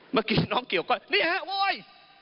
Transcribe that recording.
เมื่อกี้น้องเกี่ยวก้อยนี่ฮะโว้ย